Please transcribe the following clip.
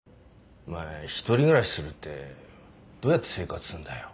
お前１人暮らしするってどうやって生活すんだよ？